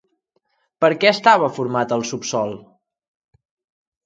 Per què estava format el subsòl?